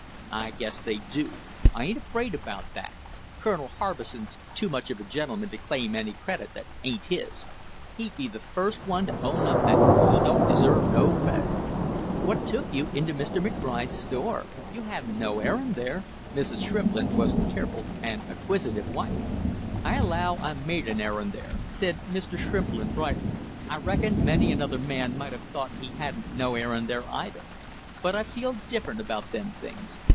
"I guess they do; I ain't afraid about that. Colonel Harbison's too much of a gentleman to claim any credit that ain't his; he'd be the first one to own up that he don't deserve no credit." "What took you into McBride's store? You hadn't no errand there." Mrs. Shrimplin was a careful and acquisitive wife. "I allow I made an errand there," said Mr. Shrimplin bridling. "I reckon many another man might have thought he hadn't no errand there either, but I feel different about them things.